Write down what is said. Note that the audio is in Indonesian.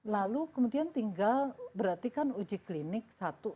lalu kemudian tinggal berhatikan uji klinik satu dua tiga